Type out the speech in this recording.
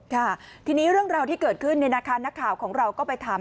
ค่ะทีนี้เรื่องราวที่เกิดขึ้นเนี่ยนะคะนักข่าวของเราก็ไปถาม